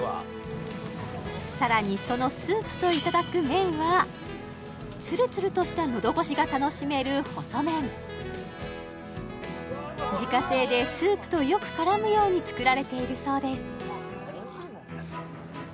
さらにそのスープといただく麺はつるつるとしたのどごしが楽しめる細麺自家製でスープとよく絡むように作られているそうです